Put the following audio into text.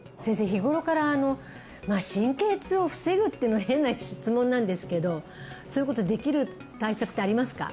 日頃から神経痛を防ぐっていうのは変な質問なんですけどそういうことできる対策ってありますか？